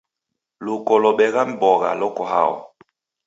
Luko lobegha mbogha loko hao?